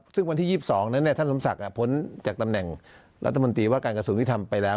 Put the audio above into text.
ซึ่งวันที่๒๒นั้นท่านสมศักดิ์พ้นจากตำแหน่งรัฐมนตรีว่าการกระทรวงยุทธรรมไปแล้ว